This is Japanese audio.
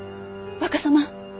若様。